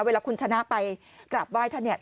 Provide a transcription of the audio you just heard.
เวลาคุณชนะไปกราบไหว้ท่านเนี่ย